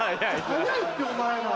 早いってお前ら。